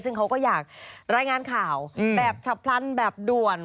ซึ่งเขาก็อยากรายงานข่าวแบบฉับพลันแบบด่วน